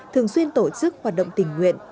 thường xuyên tổ chức hoạt động tình nguyện